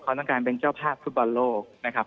เขาต้องการเป็นเจ้าภาพฟุตบอลโลกนะครับ